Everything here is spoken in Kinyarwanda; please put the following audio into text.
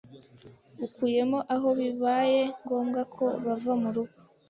ukuyemo aho bibaye ngombwa ko bava mu rugo,